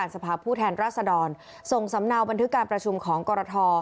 สมนัวบันทึกการประชุมของกรท